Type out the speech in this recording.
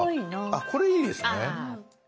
あっこれいいですね。